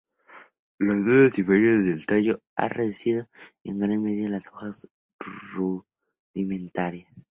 Los nudos inferiores del tallo han reducido en gran medida las hojas rudimentarias.